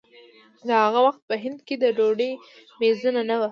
د هغه وخت په هند کې د ډوډۍ مېزونه نه وو.